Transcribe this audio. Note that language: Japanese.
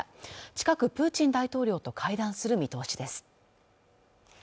近くプーチン大統領と会談する見通しです